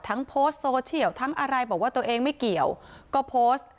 โพสต์โซเชียลทั้งอะไรบอกว่าตัวเองไม่เกี่ยวก็โพสต์